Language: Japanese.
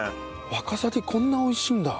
ワカサギこんなおいしいんだ。